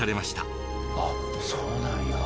あっそうなんや。